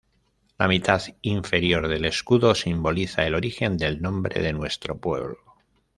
La mitad inferior del escudo simboliza el origen del nombre de nuestro pueblo.